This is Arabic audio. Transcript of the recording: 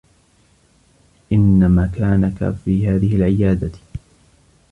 إنّ مكانك في هذه العيادة.